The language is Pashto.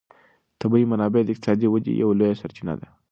طبیعي منابع د اقتصادي ودې یوه لویه سرچینه ده.